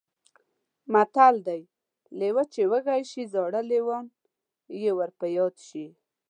متل دی: لېوه چې وږی شي زاړه لمونه یې ور په یاد شي.